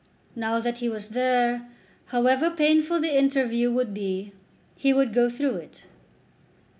Now that he was there, however painful the interview would be, he would go through it.